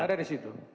ada di situ